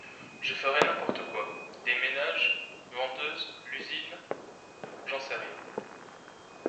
Je ferai n’importe quoi, des ménages, vendeuse, l’usine, j’en sais rien.